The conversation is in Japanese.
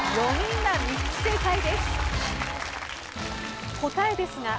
４人が３つ正解です。